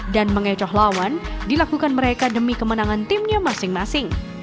dan mengecoh lawan dilakukan mereka demi kemenangan timnya masing masing